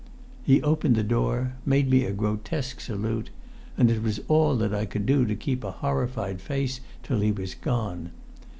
He opened the door made me a grotesque salute and it was all that I could do to keep a horrified face till he was gone.